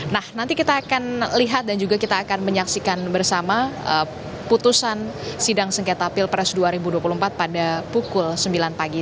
nah nanti kita akan lihat dan juga kita akan menyaksikan bersama putusan sidang sengketa pilpres dua ribu dua puluh empat pada pukul sembilan pagi